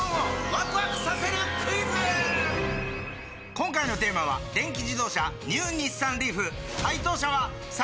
今回のテーマは電気自動車ニュー日産リーフ解答者は三四郎！